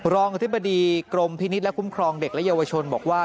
รองอธิบดีกรมพินิษฐ์และคุ้มครองเด็กและเยาวชนบอกว่า